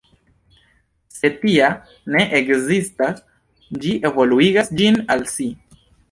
Se tia ne ekzistas, ĝi evoluigas ĝin al si.